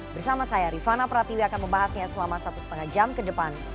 bersama saya rifana pratiwi akan membahasnya selama satu lima jam ke depan